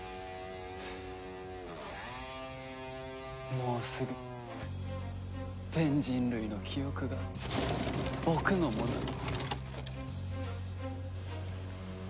もうすぐ全人類の記憶が僕のものに。